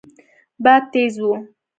باد تېز و.